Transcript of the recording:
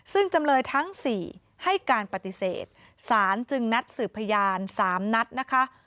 ซึ่งจำเลยทั้ง๔ให้การปฏิเสธสารจึงนัดสืบพยาน๓นัดนะคะ